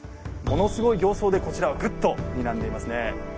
ものすごい形相でこちらをグッと、にらんでますね。